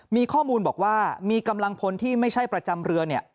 มีข้อมูลบอกว่ามีกำลังพลที่ไม่ใช่ประจำเรือเนี่ย